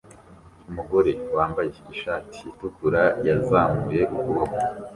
Umugore wambaye ishati itukura yazamuye ukuboko